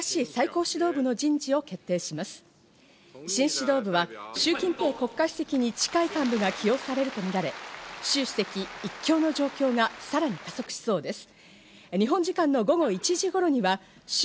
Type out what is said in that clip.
新指導部はシュウ・キンペイ国家主席に近い幹部が起用されるとみられ、シュウ主席一強の状況がさらに加速しそうです。